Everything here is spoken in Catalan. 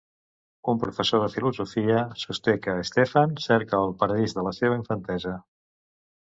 Un professor de filosofia sosté que Stefan cerca el paradís de la seva infantesa.